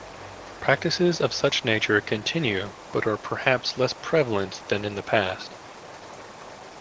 Practices of such nature continue but are perhaps less prevalent than in the past.